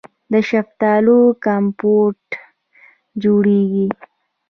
د شفتالو کمپوټ جوړیږي.